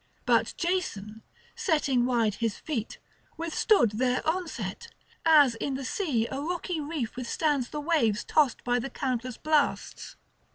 But Jason, setting wide his feet, withstood their onset, as in the sea a rocky reef withstands the waves tossed by the countless blasts.